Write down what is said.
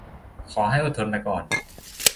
ขอให้อดทนไปก่อน